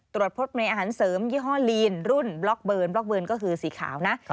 ตรวจพบในอาหารเสริมยี่ห้อลีนรุ่นบล็อกเบิร์นบล็อกเบิร์นก็คือสีขาวนะ